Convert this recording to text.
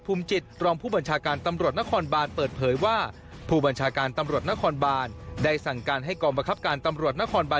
เป็นบุคคลอันตรายใช่ไหมครับ